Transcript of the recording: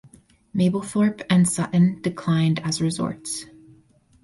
Mablethorpe and Sutton declined as resorts.